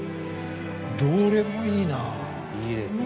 どれも、いいな。